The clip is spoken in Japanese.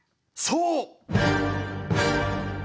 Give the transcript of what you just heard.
そう。